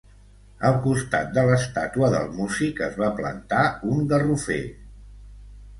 Al costat de l'estàtua del músic es va plantar un garrofer.